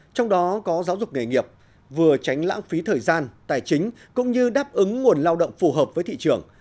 trong đó có giáo dục nghề nghiệp vừa tránh lãng phí thời gian tài chính cũng như đáp ứng nguồn lao động phù hợp với thị trường